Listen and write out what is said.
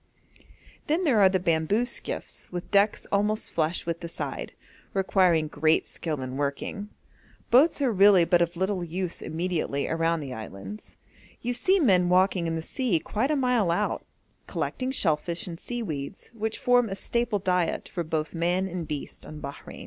Then there are the bamboo skiffs with decks almost flush with the side, requiring great skill in working. Boats are really of but little use immediately around the islands. You see men walking in the sea quite a mile out, collecting shellfish and seaweeds, which form a staple diet for both man and beast on Bahrein.